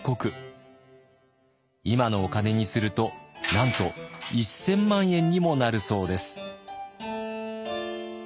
今のお金にするとなんと１，０００万円にもなるそうです。